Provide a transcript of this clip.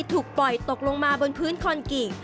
ถูกปล่อยตกลงมาบนพื้นคอนกิ่ง